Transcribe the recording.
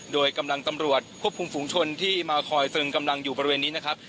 โดยกำลังตำรวจควบคุมฝุงชนที่มาคอยตึงกำลังอยู่บริเวณนี้นะครับ